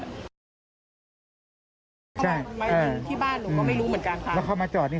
ทำไมถึงที่บ้านหนูก็ไม่รู้เหมือนกันค่ะแล้วเข้ามาจอดนี่